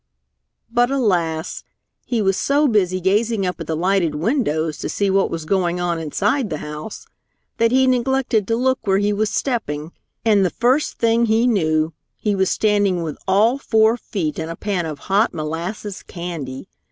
But alas! He was so busy gazing up at the lighted windows to see what was going on inside the house, that he neglected to look where he was stepping, and the first thing he knew, he was standing with all four feet in a pan of hot molasses candy.